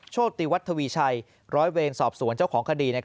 โชติวัฒวีชัยร้อยเวรสอบสวนเจ้าของคดี